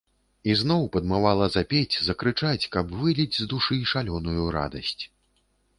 І зноў падмывала запець, закрычаць, каб выліць з душы шалёную радасць.